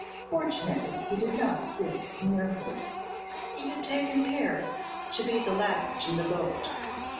Fortunately he did not sit near her; he had taken care to be the last in the boat.